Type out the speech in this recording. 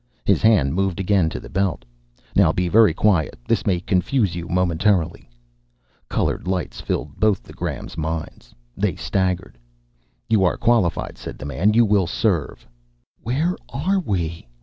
His hand moved again to the belt. "Now be very quiet. This may confuse you momentarily." Colored lights filled both the Grahams' minds. They staggered. "You are qualified," said the man. "You will serve." "Where are we?"